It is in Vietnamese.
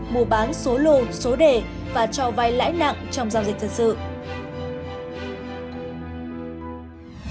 mua bán số lô số đề và cho vay lãi nặng trong giao dịch dân sự